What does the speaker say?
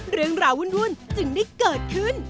เรื่องราววุ่นจึงได้เกิดขึ้น